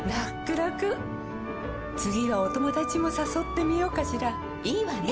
らくらくはお友達もさそってみようかしらいいわね！